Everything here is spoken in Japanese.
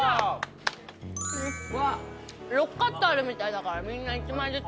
６カットあるみたいだからみんな１枚ずつ。